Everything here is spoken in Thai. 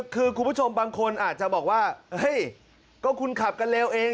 คือคุณผู้ชมบางคนอาจจะบอกว่าเฮ้ยก็คุณขับกันเร็วเอง